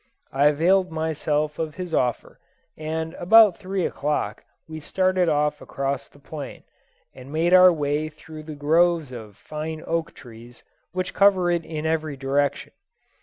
I availed myself of his offer, and about three o'clock we started off across the plain, and made our way through the groves of fine oak trees which cover it in every direction.